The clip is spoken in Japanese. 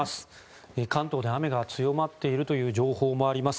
関東で雨が強まっているという情報もあります。